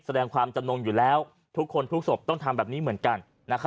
แสดงความจำนงอยู่แล้วทุกคนทุกศพต้องทำแบบนี้เหมือนกัน